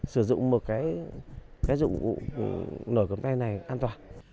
sử dụng một cái dụng cụ nổi cầm tay này an toàn